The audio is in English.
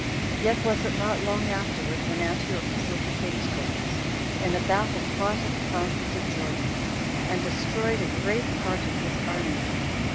Yet was it not long afterward when Antiochus overcame Scopas, in a battle fought at the fountains of Jordan, and destroyed a great part of his army.